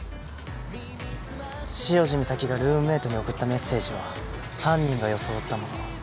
潮路岬がルームメイトに送ったメッセージは犯人が装ったもの。